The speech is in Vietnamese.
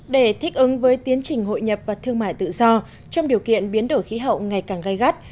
để thích ứng với tiến trình hội nhập và thương mại tự do trong điều kiện biến đổi khí hậu ngày càng gai gắt